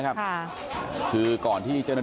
ก่อนที่เจ้าน้องที่จับประชาปุ่นเขามาเกิดข้าวขาด